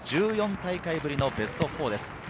１４大会ぶりのベスト４です。